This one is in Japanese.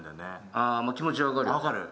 あー、気持ちは分かるよ。